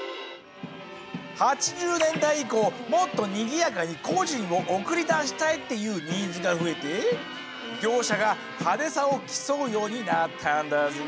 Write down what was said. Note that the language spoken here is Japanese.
８０年代以降もっとにぎやかに故人を送り出したいっていうニーズが増えて業者が派手さを競うようになったんだぜ。